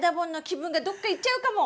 気分がどっかいっちゃうかも！